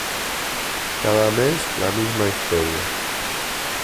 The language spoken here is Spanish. Cada mes, la misma historia.